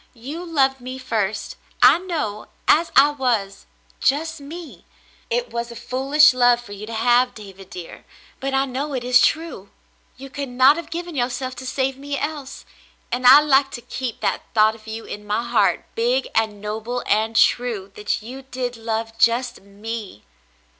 You loved me first, I know, as I was — just me. It was a foolish love for you to have, David dear, — but I know it is true ; you could not have given yourself to save me else, and I like to keep that thought of you in my heart, big and noble and true — that you did love just me."